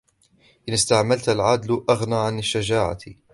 إذَا اُسْتُعْمِلَ الْعَدْلُ أَغْنَى عَنْ الشُّجَاعَةِ